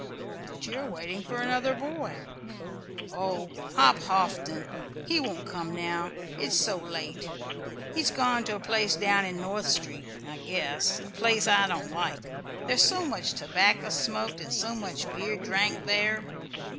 "But you are waiting for another boy." "Oh, Hop Houghton! He won't come now, it's so late. He's gone to a place down in North Street, I guess a place I don't like: there's so much tobacco smoked and so much beer drank there."